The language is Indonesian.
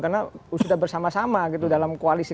karena sudah bersama sama gitu dalam koalisi